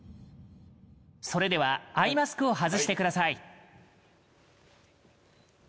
それではアイマスクを外してください。